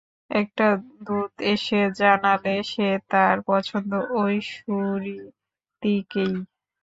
একটা দূত এসে জানালে যে তাঁর পছন্দ ঐ সুরীতিকেই।